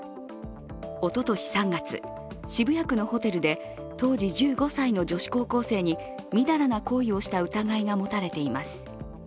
おととし３月、渋谷区のホテルで当時１５歳の女子高校生にみだらな行為をした疑いが持たれています。